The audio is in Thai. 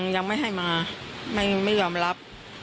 ยังไม่ให้มาไม่ยอมรับ